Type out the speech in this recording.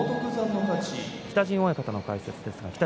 北陣親方の解説です。